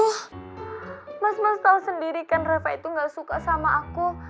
mas mas tahu sendiri kan reva itu gak suka sama aku